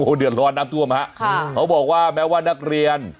เดือดร้อนน้ำท่วมฮะค่ะเขาบอกว่าแม้ว่านักเรียน